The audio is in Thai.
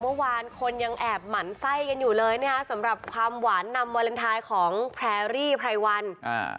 เมื่อวานคนยังแอบหมั่นไส้กันอยู่เลยเนี้ยนะสำหรับความหวานนำของพรายวันอ่า